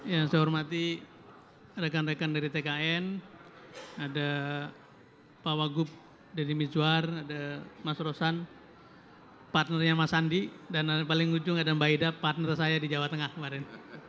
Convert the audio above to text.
yang saya hormati rekan rekan dari tkn ada pak wagub deddy mizwar ada mas rosan partnernya mas andi dan paling ujung ada mbak ida partner saya di jawa tengah kemarin